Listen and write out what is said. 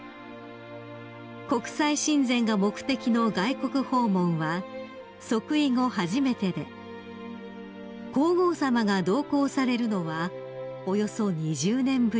［国際親善が目的の外国訪問は即位後初めてで皇后さまが同行されるのはおよそ２０年ぶりです］